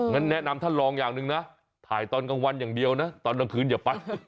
งั้นแนะนำท่านลองอย่างหนึ่งนะถ่ายตอนกลางวันอย่างเดียวนะตอนกลางคืนอย่าไป